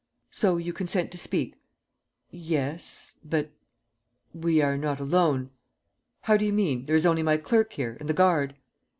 "So you consent to speak?" "Yes ... but ... we are not alone." "How do you mean? There is only my clerk here ... and the guard